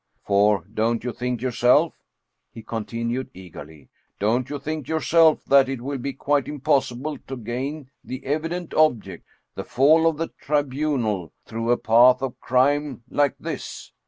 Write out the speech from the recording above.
For, don't you think yourself," he continued eagerly "don't you think yourself that it will be quite im possible to gain the evident object, the fall of the Tribunal, through a path of crime like this